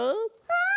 うん。